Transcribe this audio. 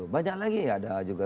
banyak lagi ada juga